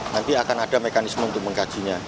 nanti akan ada mekanisme untuk mengkajinya